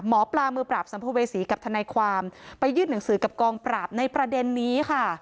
หมอปลามือปราบสัมภเวษีกับทนายความไปยื่นหนังสือกับกองปราบในประเด็นนี้ค่ะ